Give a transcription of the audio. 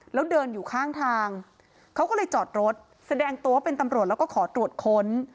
แล้วเดินอยู่ข้างทางเขาก็เลยจอดรถแสดงตัวเป็นตำรวจแล้วก็ขอตรวจค้น